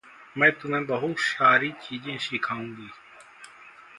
मैं तुम्हें बहुत सारी चीज़ें सिखाऊंगी।